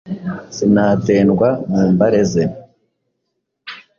Sinatendwa mu mbare ze.